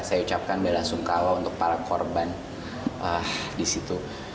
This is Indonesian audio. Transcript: saya ucapkan bela sungkawa untuk para korban di situ